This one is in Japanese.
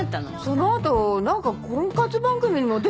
そのあとなんか婚活番組にも出てなかった？